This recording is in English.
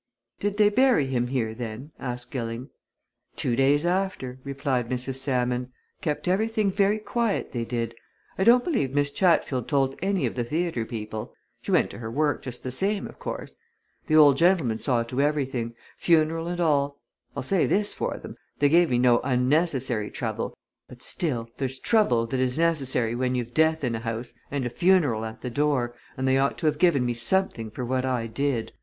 "Did they bury him here, then?" asked Gilling. "Two days after," replied Mrs. Salmon. "Kept everything very quiet, they did. I don't believe Miss Chatfield told any of the theatre people she went to her work just the same, of course. The old gentleman saw to everything funeral and all. I'll say this for them they gave me no unnecessary trouble, but still, there's trouble that is necessary when you've death in a house and a funeral at the door, and they ought to have given me something for what I did.